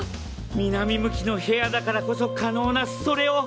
南向きの部屋だからこそ可能なそれを。